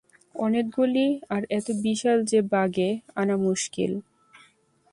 অনেকগুলি, আর এত বিশাল যে বাগে আনা মুস্কিল।